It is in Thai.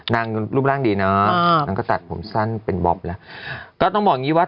รูปร่างดีเนาะนางก็ตัดผมสั้นเป็นบ๊อบแล้วก็ต้องบอกอย่างงี้ว่า